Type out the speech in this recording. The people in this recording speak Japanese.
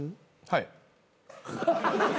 はい。